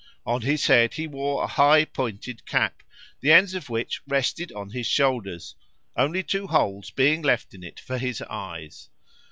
On his head he wore a high pointed cap, the ends of which rested on his shoulders, only two holes being left in it for his eyes.